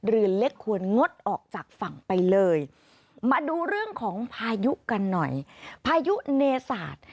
เรือเล็กควรงดออกจากฝั่งไปเลยมาดูเรื่องของพายุกันหน่อยพายุเนศาสตร์